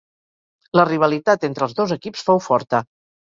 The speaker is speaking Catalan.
La rivalitat entre els dos equips fou forta.